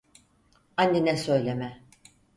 Annene söyleme.